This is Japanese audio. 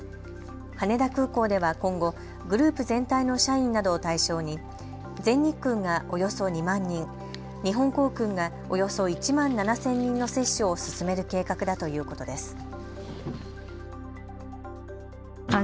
羽田空港では今後、グループ全体の社員などを対象に全日空がおよそ２万人、日本航空がおよそ１万７０００人の接種を進める計画だということです。